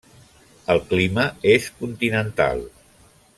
El clima és continental.